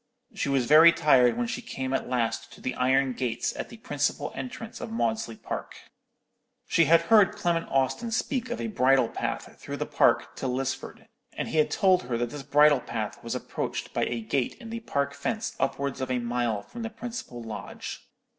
She was very tired when she came at last to the iron gates at the principal entrance of Maudesley Park. She had heard Clement Austin speak of a bridle path through the park to Lisford, and he had told her that this bridle path was approached by a gate in the park fence upwards of a mile from the principal lodge.